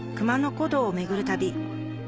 古道を巡る旅